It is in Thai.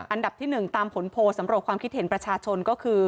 อันดับที่๑ตามผลโพลสำรวจความคิดเห็นประชาชนก็คือ